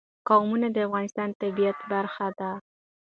قومونه د افغانستان د طبیعت برخه ده.